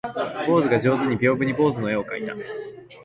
坊主が上手に屏風に坊主の絵を描いた